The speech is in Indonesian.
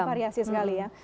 bervariasi sekali ya